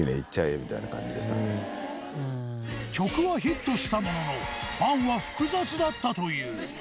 曲はヒットしたもののファンは複雑だったという。